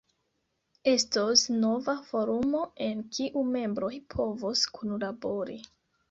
Estos nova forumo, en kiu membroj povos kunlabori.